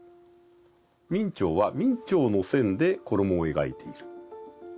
明兆は明兆の線で衣を描いている。